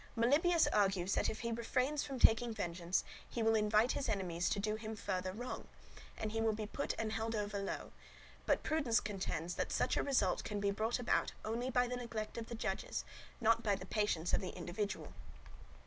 Melibœus argues that if he refrains from taking vengeance he will invite his enemies to do him further wrong, and he will be put and held over low; but Prudence contends that such a result can be brought about only by the neglect of the judges, not by the patience of the individual.